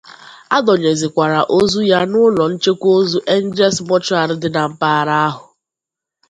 A dọnyezịkwara ozu ya n'ụlọ nchekwa ozu 'Angles Mortuary' dị na mpaghara ahụ